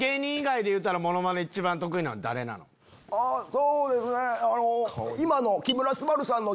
そうですねあの。